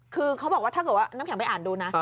คือเขาบอกว่าน้ำแข็งไปอ่านดูนะ